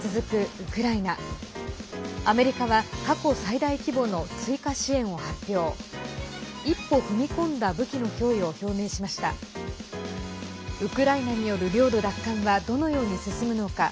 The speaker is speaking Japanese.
ウクライナによる領土奪還はどのように進むのか。